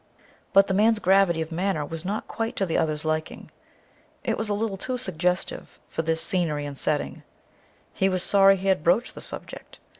But the man's gravity of manner was not quite to the other's liking; it was a little too suggestive for this scenery and setting; he was sorry he had broached the subject.